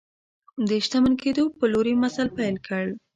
د شتمن کېدو په لور یې مزل پیل کړ.